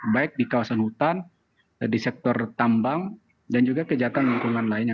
baik di kawasan hutan di sektor tambang dan juga kejahatan lingkungan lainnya